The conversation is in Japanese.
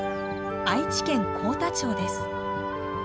愛知県幸田町です。